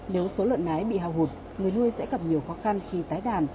nếu số lợn nái bị hao hụt người nuôi sẽ gặp nhiều khó khăn khi tái đàn